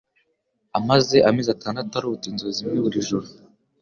amaze amezi atandatu arota inzozi imwe buri joro